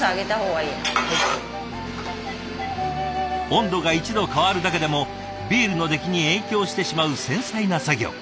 温度が１度変わるだけでもビールの出来に影響してしまう繊細な作業。